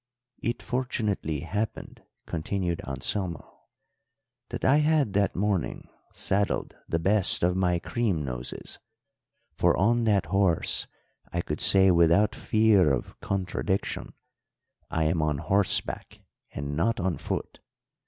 "It fortunately happened," continued Anselmo, "that I had that morning saddled the best of my cream noses; for on that horse I could say without fear of contradiction, I am on horseback and not on foot.